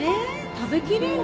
食べきれる？